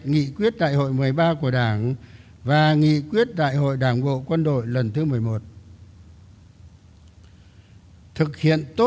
nghị quyết đại hội một mươi ba của đảng và nghị quyết đại hội đảng bộ quân đội lần thứ một mươi một